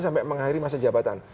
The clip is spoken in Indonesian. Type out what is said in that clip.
sampai mengakhiri masa jabatan